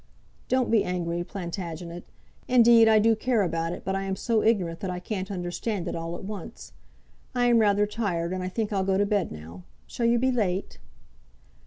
"Don't be angry, Plantagenet. Indeed I do care about it, but I am so ignorant that I can't understand it all at once. I am rather tired, and I think I'll go to bed now. Shall you be late?"